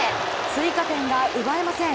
追加点が奪えません。